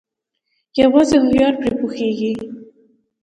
يوازې هوښيار پري پوهيږي